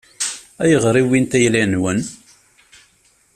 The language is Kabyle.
Ayɣer i wwint ayla-nwen?